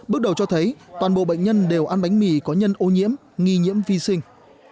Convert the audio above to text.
bước đầu cho thấy toàn bộ bệnh nhân đều ăn bánh mì có nhân ô nhiễm nghi nhiễm vi sinh